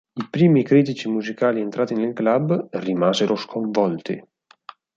I primi critici musicali entrati nel club, rimasero sconvolti.